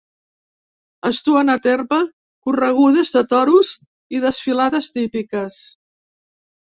Es duen a terme corregudes de toros i desfilades típiques.